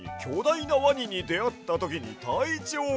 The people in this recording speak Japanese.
いなワニにであったときにたいちょうが。